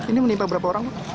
ini menimpa berapa orang